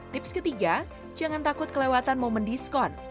tips ketiga jangan takut kelewatan momen diskon